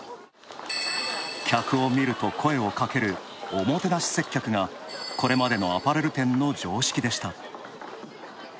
客を見ると声をかけるおもてなし接客がこれまでのアパレル店の常識でした。